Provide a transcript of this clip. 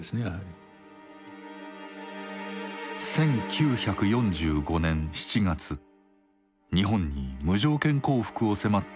１９４５年７月日本に無条件降伏を迫ったポツダム宣言。